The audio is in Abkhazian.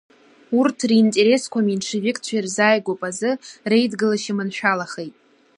Урҭ ринтересқәа аменшевикцәа ирзааигәоуп азы, реидгылашьа маншәалахеит.